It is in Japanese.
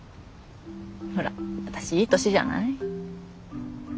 ほら私いい年じゃない？